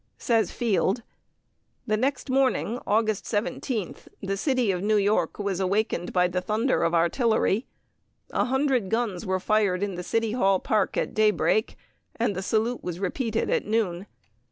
Says Field: The next morning, August 17th, the city of New York was awakened by the thunder of artillery. A hundred guns were fired in the City Hall Park at daybreak, and the salute was repeated at noon.